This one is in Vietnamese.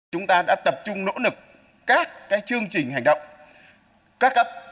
chúng ta đã tập trung nỗ lực các chương trình hành động